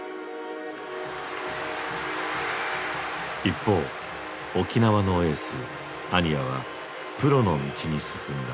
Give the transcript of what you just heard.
一方沖縄のエース安仁屋はプロの道に進んだ。